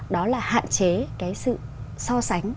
đó là hạn chế sự so sánh